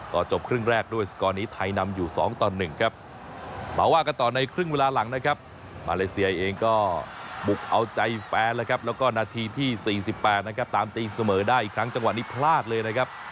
ก็จบครึ่งแรกด้วยสกอร์นี้ไทยนำอยู่๒ตอนหนึ่งครับ